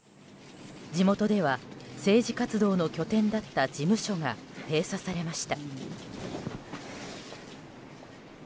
地元では、政治活動の拠点だった事務所が閉鎖されました。